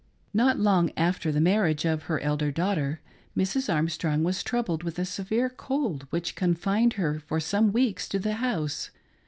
Not long after the marriage of her elder daughter, Mrs. Armstrong was troubled with a severe cold which confined her for some weeks to the house.